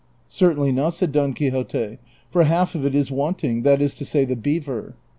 '• Certainly not," said Don Quixote, " for half of it is wanting, that is to say the beaver."